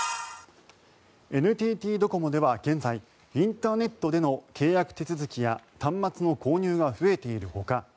ＮＴＴドコモでは現在インターネットでの契約手続きや端末の購入が増えているほか